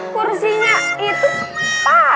kursinya itu patah